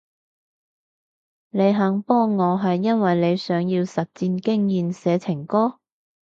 你肯幫我係因為你想要實戰經驗寫情歌？